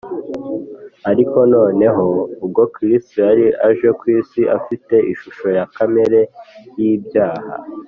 ; ariko noneho ubwo Kristo yari aje kw’isi “afite ishusho ya kamere y’ibyaha